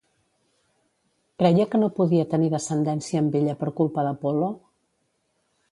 Creia que no podia tenir descendència amb ella per culpa d'Apol·lo?